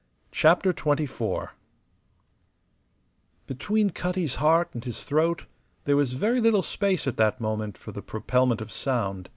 CHAPTER XXIV Between Cutty's heart and his throat there was very little space at that moment for the propelment of sound.